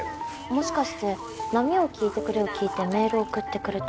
もしかして『波よ聞いてくれ』を聴いてメールを送ってくれた？